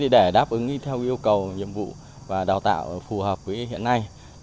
để đáp ứng theo yêu cầu nhiệm vụ và đào tạo phù hợp với hiện nay